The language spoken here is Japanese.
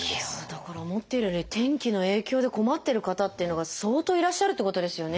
だから思っているより天気の影響で困ってる方っていうのが相当いらっしゃるっていうことですよね。